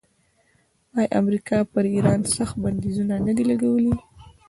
آیا امریکا پر ایران سخت بندیزونه نه دي لګولي؟